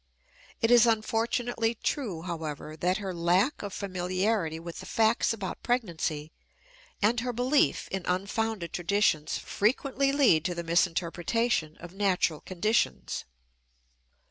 It is unfortunately true, however, that her lack of familiarity with the facts about pregnancy and her belief in unfounded traditions frequently lead to the misinterpretation of natural conditions.